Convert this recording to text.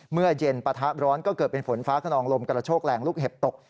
เมื่อเย็นปะทะร้อนก็เกิดเป็นฝนฟ้าขนองลมกระโชกแรงลูกเห็บตก